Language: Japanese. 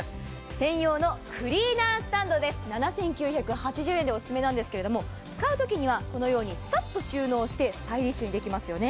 専用のクリーナスタンドです、７９８０円でオススメなんですけど、使うときには、このようにさっと収納してスタイリッシュにできますよね。